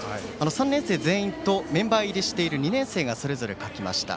３年生全員とメンバー入りしている２年生がそれぞれ書きました。